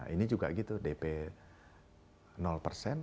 ini juga gitu dp